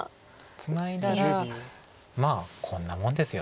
ツナいだらまあこんなもんですよね。